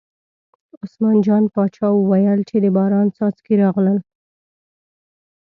عثمان جان باچا وویل چې د باران څاڅکي راغلل.